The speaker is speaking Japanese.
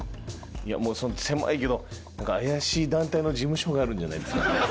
いやもう狭いけど怪しい団体の事務所があるんじゃないですか。